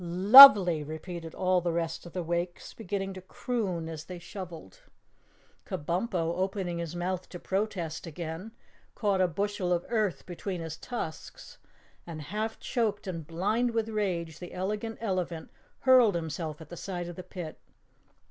"LOVELY!" repeated all the rest of the Wakes, beginning to croon as they shoveled. Kabumpo, opening his mouth to protest again, caught a bushel of earth between his tusks and, half choked and blind with rage, the Elegant Elephant hurled himself at the side of the pit.